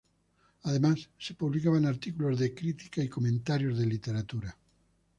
Además, se publicaban artículos de crítica y comentarios de literatura.